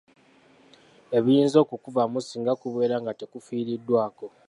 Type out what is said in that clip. Ebiyinza okukuvaamu singa kubeera nga tekufiiriddwako.